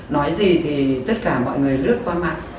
nói gì thì tất cả mọi người lướt qua mạng